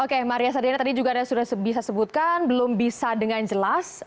oke maria saryana tadi juga anda sudah bisa sebutkan belum bisa dengan jelas